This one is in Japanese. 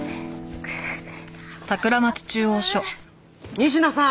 仁科さん！